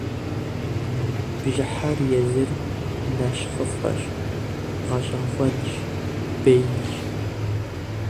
Бжьыхьэр езыр нэщхъыфӏэщ, гъэщӏэгъуэнщ, бейщ.